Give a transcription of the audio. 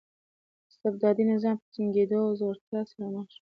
د استبدادي نظام په ټینګېدو ځوړتیا سره مخ شو.